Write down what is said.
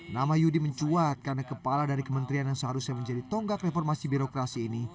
nama yudi mencuat karena kepala dari kementerian yang seharusnya menjadi tonggak reformasi birokrasi ini